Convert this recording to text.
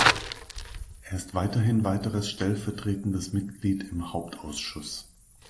Er ist weiterhin weiteres stellvertretendes Mitglied im Hauptausschuss.